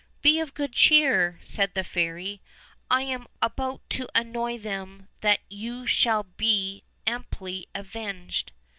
"Be of good cheer," said the fairy, "I am about so to annoy them that you shall be amply avenged."